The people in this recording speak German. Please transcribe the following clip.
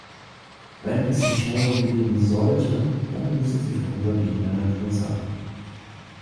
Wenn es Entschädigungen geben sollte, dann müssen sie vorübergehender Natur sein.